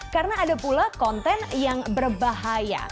karena ada pula konten yang berbahaya